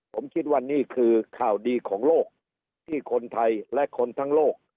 ผมคิดว่านี่คือข่าวดีของโลกที่คนไทยและคนทั้งโลก